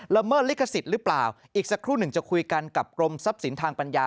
เมิดลิขสิทธิ์หรือเปล่าอีกสักครู่หนึ่งจะคุยกันกับกรมทรัพย์สินทางปัญญา